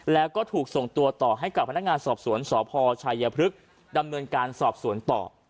แล้วก็ถูกส่งตัวต่อให้กับพนักงานสอบสวนสพชัยพฤกษ์ดำเนินการสอบสวนต่อ